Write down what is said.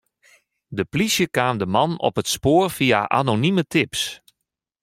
De plysje kaam de man op it spoar fia anonime tips.